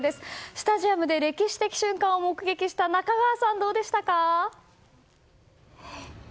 スタジアムで歴史的瞬間を目撃した中川さん、どうでしたか。